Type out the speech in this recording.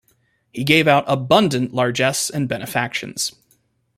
He gave out abundant largesse and benefactions.